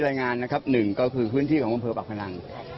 รายงานนะครับหนึ่งก็คือพื้นที่ของอำเภอปากพนัง